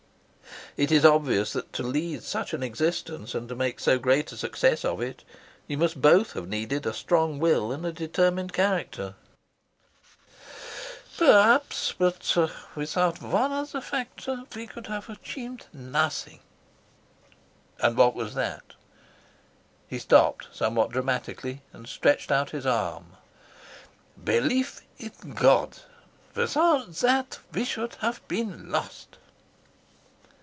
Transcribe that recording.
"It is obvious that to lead such an existence and make so great a success of it, you must both have needed a strong will and a determined character." "Perhaps; but without one other factor we could have achieved nothing." "And what was that?" He stopped, somewhat dramatically, and stretched out his arm. "Belief in God. Without that we should have been lost."